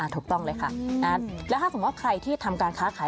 ถูกต้องเลยค่ะแล้วถ้าสมมุติว่าใครที่ทำการค้าขาย